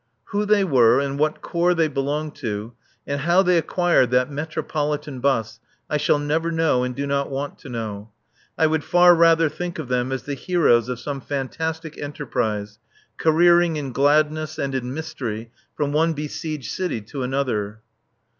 Who they were, and what corps they belonged to, and how they acquired that Metropolitan bus I shall never know, and do not want to know. I would far rather think of them as the heroes of some fantastic enterprise, careering in gladness and in mystery from one besieged city to another.